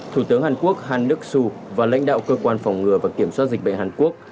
thủ tướng hàn quốc han đức su và lãnh đạo cơ quan phòng ngừa và kiểm soát dịch bệnh hàn quốc